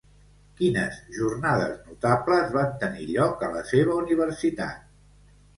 Quines jornades notables van tenir lloc a la seva universitat?